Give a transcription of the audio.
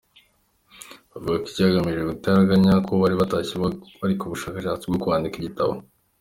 Bakavuga ko bahamagajwe igitaraganya, kuko bari batashye bari mu bushakashatsi bwo kwandika ibitabo.